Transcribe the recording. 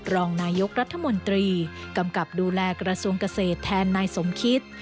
รองนายกรัฐมนตรีกำกับดูแลกระทรวงเกษตรแทนนายสมคิต